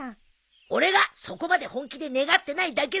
俺がそこまで本気で願ってないだけさ。